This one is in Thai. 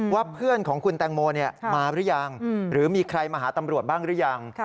ว่าเพื่อนของคุณแตงโมมาหรือยังหรือมีใครมาหาตำรวจบ้างหรือยัง